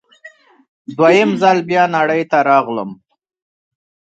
دوه یم ځل بیا نړۍ ته راغلم